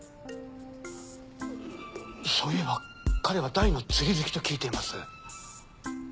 そういえば彼は大の釣り好きと聞いています。